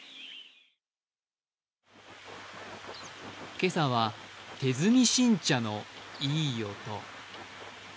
今朝は手摘み新茶のいい音。